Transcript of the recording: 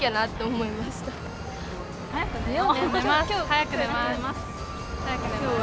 早く寝ます。